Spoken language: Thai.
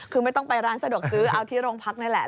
คือไม่ต้องไปร้านสะดวกซื้อเอาที่โรงพักนี่แหละ